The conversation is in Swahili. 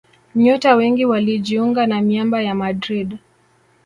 Nyota wengi walijiunga na miamba ya Madrid